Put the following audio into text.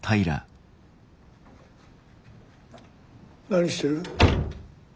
何してる。